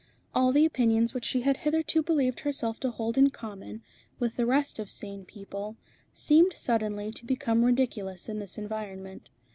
All the opinions which she had hitherto believed herself to hold in common with the rest of sane people, seemed suddenly to become ridiculous in this environment.